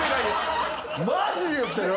マジで言ってる？